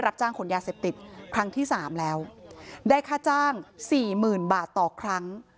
๑บาทต่อครั้ง